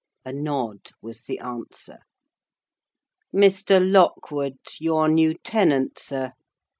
A nod was the answer. "Mr. Lockwood, your new tenant, sir.